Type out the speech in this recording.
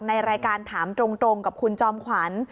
ในรายการถามตรงกับคุณจอมขวัญ